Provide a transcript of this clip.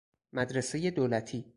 مدرسهی دولتی